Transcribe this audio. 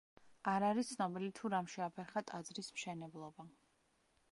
არ არის ცნობილი თუ რამ შეაფერხა ტაძრის მშენებლობა.